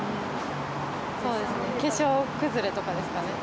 化粧崩れとかですかね。